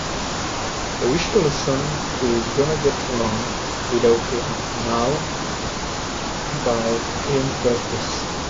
I wish to listen to Gonna Get Along Without Ya Now by Ian Curtis.